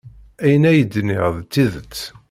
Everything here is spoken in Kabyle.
Ayen ay d-nniɣ d tidet.